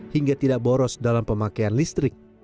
hingga tidak boros dalam pemakaian listrik